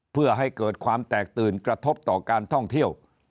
เพื่อให้เกิดความแตกตื่นกระทบต่อการท่องเที่ยว